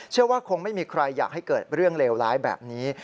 เชื่อว่าคงไม่มีใครอยากให้เกิดเรื่องเลวร้ายแบบนี้